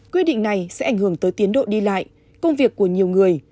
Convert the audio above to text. quyết định này sẽ ảnh hưởng tới tiến độ đi lại công việc của nhiều người